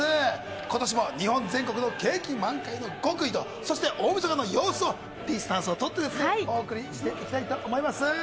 今年も日本全国の景気満開の極意と大みそかの様子をディスタンスをとってお送りしたいと思います。